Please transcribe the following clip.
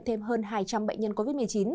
thêm hơn hai trăm linh bệnh nhân covid một mươi chín